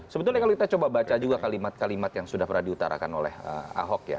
sebetulnya kalau kita coba baca juga kalimat kalimat yang sudah pernah diutarakan oleh ahok ya